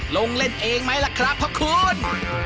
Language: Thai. ลงเล่นเองไหมล่ะครับพระคุณ